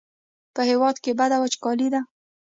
په هېواد کې بده وچکالي ده.